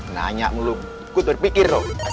nanya mulu ku tuh di pikir loh